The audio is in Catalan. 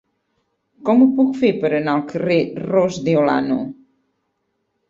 Com ho puc fer per anar al carrer de Ros de Olano?